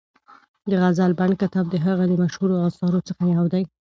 د غزل بڼ کتاب د هغه د مشهورو اثارو څخه یو دی.